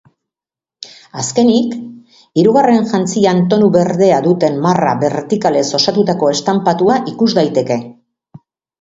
Azkenik, hirugarren jantzian tonu berdea duten marra bertikalez osatutako estanpatua ikus daiteke.